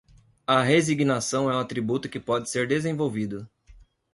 A resignação é um atributo que pode ser desenvolvido